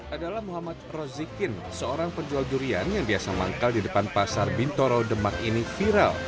adalah muhammad rozikin seorang penjual durian yang biasa manggal di depan pasar bintoro demak ini viral